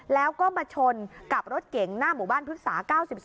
แล้วก็มาชนกับรถเก๋งหน้าหมู่บ้านพฤกษา๙๒